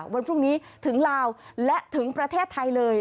วันพรุ่งนี้ถึงลาวและถึงประเทศไทยเลย